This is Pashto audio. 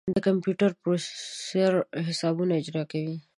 د کمپیوټر پروسیسر حسابونه اجرا کوي.